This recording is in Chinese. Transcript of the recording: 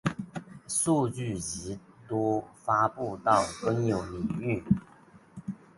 数据集都发布到公有领域。